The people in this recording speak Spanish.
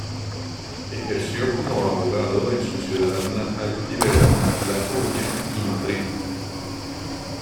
Ejerció como abogado en su ciudad natal Vivero, La Coruña y Madrid.